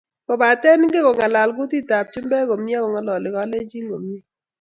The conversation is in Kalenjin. kobate ingen ko ngalal kutit ab chumbek komie ko ngololi kalenjin komie